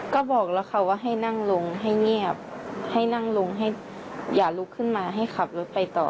ก็บอกกันบอกว่านั่งลงห้ะเงียบให้นั่งลงอย่าลุกขึ้นมาให้ขับรถไปต่อ